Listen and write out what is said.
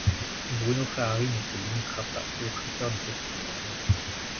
Bruno Ferrari ne se limitera pas aux tracteurs de petite taille.